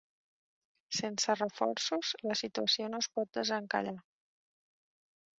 Sense reforços, la situació no es pot desencallar.